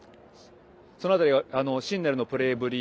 その辺りシンネルのプレーぶり